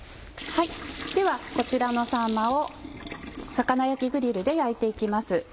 ではこちらのさんまを魚焼きグリルで焼いて行きます。